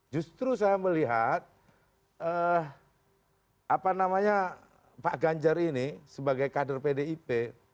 justru saya melihat eh apa namanya pak ganjar ini sebagai kader pdip